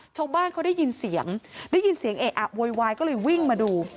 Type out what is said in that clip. ชาวบ้านเขาได้ยินเสียงได้ยินเสียงเอะอะโวยวายก็เลยวิ่งมาดู